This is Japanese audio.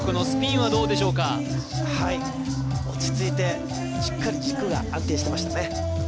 はい落ち着いてしっかり軸が安定していましたね